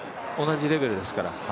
同じレベルですから。